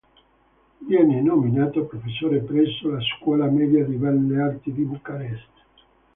Viene nominato professore presso la Scuola Media di Belle Arti di Bucarest.